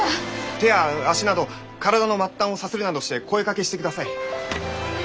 手や足など体の末端をさするなどして声かけしてください。